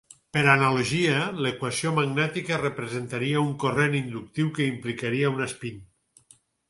Per analogia, l'equació magnètica representaria un corrent inductiu que implicaria un espín.